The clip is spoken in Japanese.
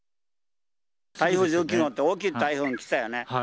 台風１９号って大きい台風来たよね。